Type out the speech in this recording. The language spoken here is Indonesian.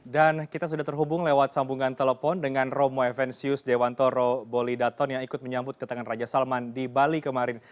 dan kita sudah terhubung lewat sambungan telepon dengan romo evensius dewantoro bolidaton yang ikut menyambut ke tangan raja salman di bali kemarin